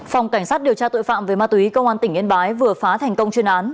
phòng cảnh sát điều tra tội phạm về ma túy công an tỉnh yên bái vừa phá thành công chuyên án